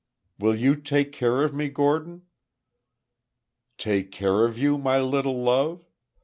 "Will you take care of me, Gordon?" "Take care of you, my little love!